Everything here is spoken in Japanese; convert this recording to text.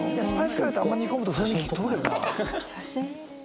写真？